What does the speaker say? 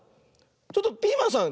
ちょっとピーマンさん